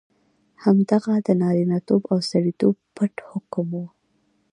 همدغه د نارینتوب او سړیتوب پت حکم وو.